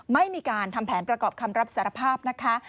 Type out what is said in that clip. ไม่มีการทำแผนประกอบคำรับสารภาพนะคะ